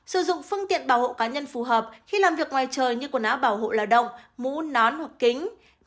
sử dụng phương tiện bảo hộ cá nhân phù hợp khi làm việc ngoài trời như quần áo bảo hộ lao động mũ nón hoặc kính